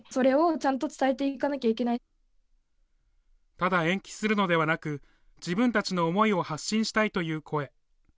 ただ延期するのではなく自分たちの思いを発信したいという声。